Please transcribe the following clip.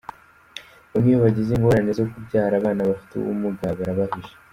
Bamwe iyo bagize ingorane zo kubyara abana bafite ubumuga barabahisha.